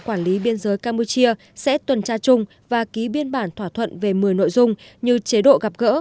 quản lý biên giới campuchia sẽ tuần tra chung và ký biên bản thỏa thuận về một mươi nội dung như chế độ gặp gỡ